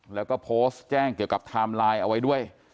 แล้วก็โพสต์แจ้งเกี่ยวกับไทม์ไลน์เอาไว้ด้วย